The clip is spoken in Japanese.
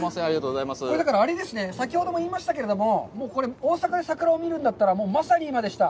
これ、だから、あれですね、先ほども言いましたけれども、大阪で桜を見るんだったらまさに今でした。